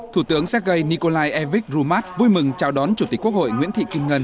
thủ tướng sergei nikolaevich rumat vui mừng chào đón chủ tịch quốc hội nguyễn thị kim ngân